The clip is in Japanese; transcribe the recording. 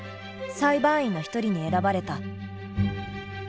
裁判員の一人に選ばれた。